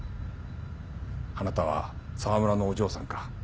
あなたは澤村のお嬢さんか。